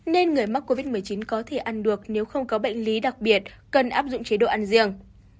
nên người mắc covid một mươi chín có thể ăn được nếu không có bệnh lý đặc biệt cần áp dụng chế độ ăn riêng